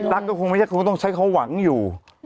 ก็คงไม่ใช่คงต้องใช้เขาหวังอยู่